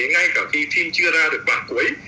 ngay cả khi phim chưa ra được bản cuối